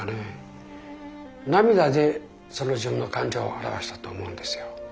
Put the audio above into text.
涙でその自分の感情を表したと思うんですよ。